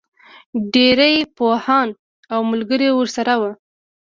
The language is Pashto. ډېری پوهان او ملګري ورسره وو.